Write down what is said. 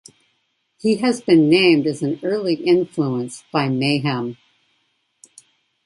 He has been named as an early influence by Mayhem.